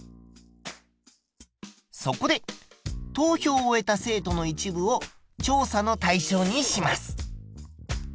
そこで投票を終えた生徒の一部を調査の対象にします。